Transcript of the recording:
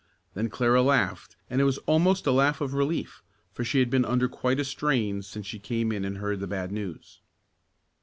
Then Clara laughed and it was almost a laugh of relief, for she had been under quite a strain since she came in and heard the bad news.